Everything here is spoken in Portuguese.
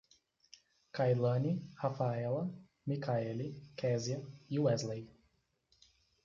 Cailane, Rafaella, Micaeli, Kezia e Weslley